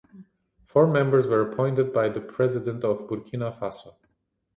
Four members were appointed by the President of Burkina Faso.